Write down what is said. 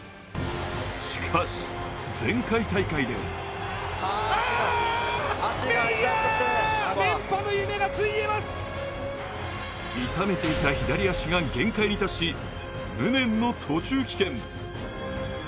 しかし、前回大会で痛めていた左足が限界に達し、無念の途中棄権。